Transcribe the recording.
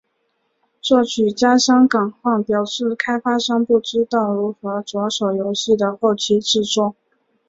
作曲家山冈晃表示开发商不知道如何着手游戏的后期制作。